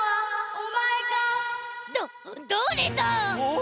お！